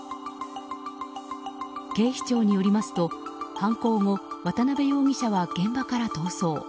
警視庁によりますと犯行後、渡辺容疑者は現場から逃走。